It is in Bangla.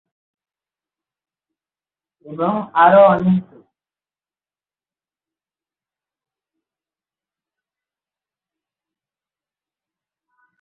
এবং আরো অনেকে।